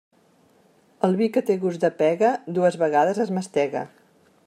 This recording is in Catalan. El vi que té gust de pega dues vegades es mastega.